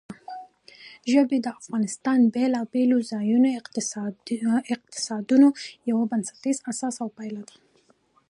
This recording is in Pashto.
ژبې د افغانستان د بېلابېلو ځایي اقتصادونو یو بنسټیزه اساس او پایایه ده.